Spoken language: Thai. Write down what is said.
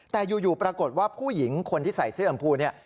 แต่อยู่ปรากฏว่าผู้หญิงคนที่ใส่เสื้ออำพูเนี่ย